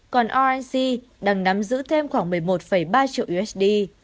còn oic đang nắm giữ thêm khoảng một mươi một ba triệu usd